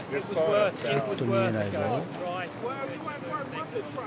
ちょっと見えないぞ。